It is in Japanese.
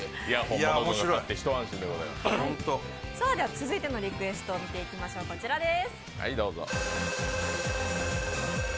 続いてのリクエストを見ていきましょう、こちらです。